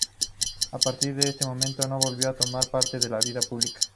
A partir de este momento no volvió a tomar parte en la vida pública.